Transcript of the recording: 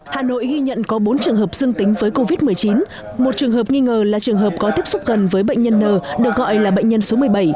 hà nội ghi nhận có bốn trường hợp dương tính với covid một mươi chín một trường hợp nghi ngờ là trường hợp có tiếp xúc gần với bệnh nhân n được gọi là bệnh nhân số một mươi bảy